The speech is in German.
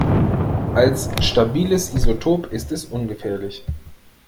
Als stabiles Isotop ist es ungefährlich.